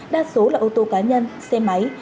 đa số là ô tô cá nhân xe máy